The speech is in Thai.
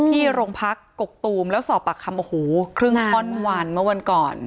ที่โรงพักกกตูมแล้วสอบปากคำโอ้โหครึ่งข้อนวันเมื่อวันก่อน